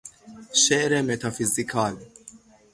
شعر متافیزیکال